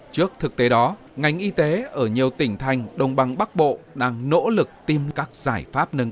trước thực tế đó ngành y tế ở nhiều tỉnh thành đồng bằng bắc bộ đang nỗ lực tìm các giải pháp nâng